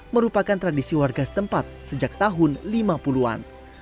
merupakan tradisi warga setempat sejak tahun lima puluh an